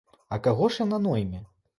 А каго ж яна нойме?